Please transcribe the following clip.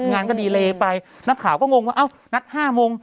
งานก็ดีเลไปนักข่าวก็งงว่าเอ้านัด๕โมง